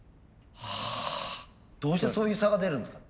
はどうしてそういう差が出るんですか？